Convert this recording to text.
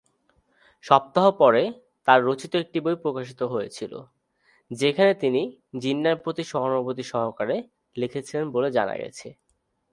সপ্তাহ পরে, তাঁর রচিত একটি বই প্রকাশিত হয়েছিল, যেখানে তিনি জিন্নাহর প্রতি সহানুভূতি সহকারে লিখেছিলেন বলে জানা গেছে।